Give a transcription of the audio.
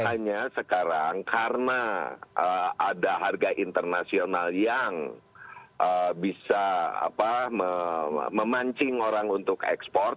hanya sekarang karena ada harga internasional yang bisa memancing orang untuk ekspor